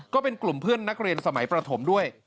ก็เป็นกลุ่มเพื่อนนักเรียนสมัยประถมด้วย